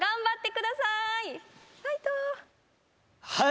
はい。